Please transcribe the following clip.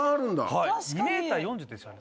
はい２ｍ４０ですよね。